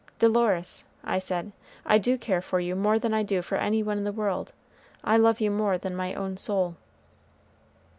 "Dolores," I said, "I do care for you more than I do for any one in the world; I love you more than my own soul."